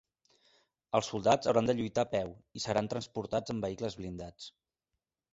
Els soldats hauran de lluitar peu, i seran transportats en vehicles blindats.